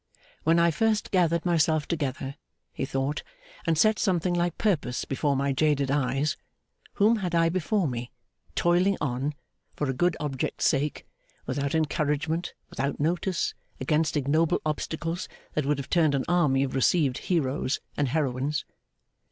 'When I first gathered myself together,' he thought, 'and set something like purpose before my jaded eyes, whom had I before me, toiling on, for a good object's sake, without encouragement, without notice, against ignoble obstacles that would have turned an army of received heroes and heroines?